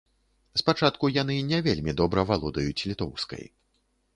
Спачатку яны не вельмі добра валодаюць літоўскай.